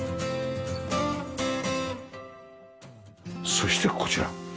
そしてこちら。